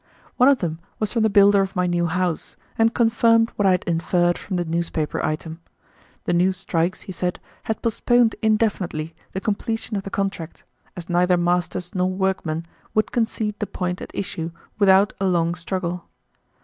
One of them was from the builder of my new house, and confirmed what I had inferred from the newspaper item. The new strikes, he said, had postponed indefinitely the completion of the contract, as neither masters nor workmen would concede the point at issue without a long struggle.